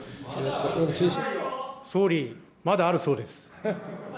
総理、まだあるそうです。